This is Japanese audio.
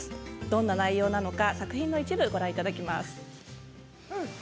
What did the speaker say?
どんな内容なのか作品の一部ご覧いただきます。